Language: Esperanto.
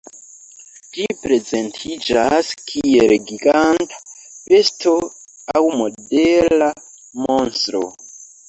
Ĝi prezentiĝas kiel giganta besto aŭ modela monstro.